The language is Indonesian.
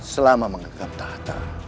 selama mengegap tahta